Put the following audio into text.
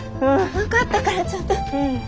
分かったからちょっと。